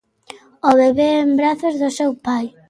O bebé en brazos do seu pai.